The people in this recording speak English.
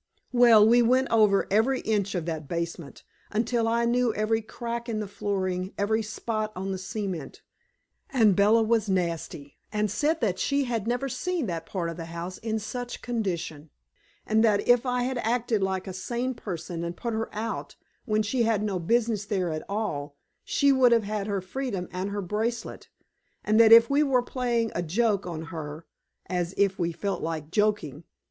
Well, we went over every inch of that basement, until I knew every crack in the flooring, every spot on the cement. And Bella was nasty, and said that she had never seen that part of the house in such condition, and that if I had acted like a sane person and put her out, when she had no business there at all, she would have had her freedom and her bracelet, and that if we were playing a joke on her (as if we felt like joking!)